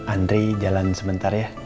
andri jalan sebentar ya